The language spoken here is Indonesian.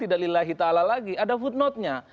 tidak lillahi ta'ala lagi ada footnote nya